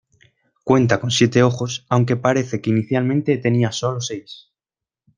Cuenta con siete ojos, aunque parece que inicialmente tenía solo seis.